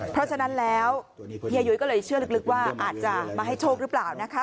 เพราะฉะนั้นแล้วเฮียยุ้ยก็เลยเชื่อลึกว่าอาจจะมาให้โชคหรือเปล่านะคะ